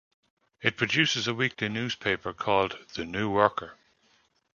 It produces a weekly newspaper called "The New Worker".